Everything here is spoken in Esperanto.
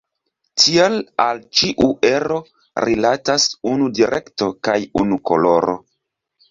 Tiel al ĉiu ero rilatas unu direkto kaj unu koloro.